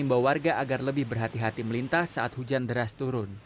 imbau warga agar lebih berhati hati melintas saat hujan deras turun